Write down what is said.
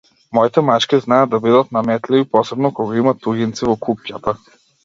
Моите мачки знаат да бидат наметливи, посебно кога има туѓинци во куќата.